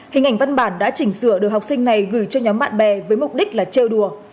hình ảnh văn bản đã chỉnh sửa được học sinh này gửi cho nhóm bạn bè với mục đích là treo đùa